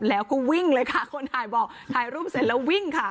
แล้วก็วิ่งเลยค่ะคนถ่ายบอกถ่ายรูปเสร็จแล้ววิ่งค่ะ